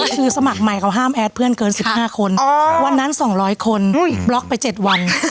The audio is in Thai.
คือสมัครใหม่เขาห้ามแอดเพื่อนเกิน๑๕คนวันนั้น๒๐๐คนบล็อกไป๗วัน